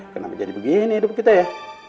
kenapa jadi begini hidup kita ya